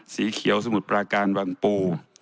ศรีเขียวสมุดปลาการวังปู